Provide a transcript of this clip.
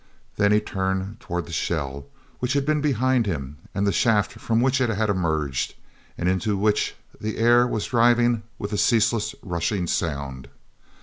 Then he turned toward the shell, which had been behind him and the shaft from which it had emerged, and into which the air was driving with a ceaseless rushing sound.